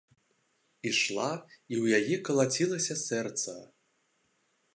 Ішла, і ў яе калацілася сэрца.